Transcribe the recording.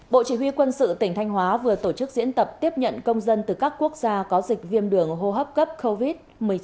bộ chỉ huy quân sự tỉnh thanh hóa vừa tổ chức diễn tập tiếp nhận công dân từ các quốc gia có dịch viêm đường hô hấp cấp covid một mươi chín